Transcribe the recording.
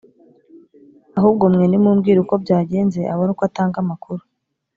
ahubwo mwe nimumbwire uko byagenze abone uko atanga amakuru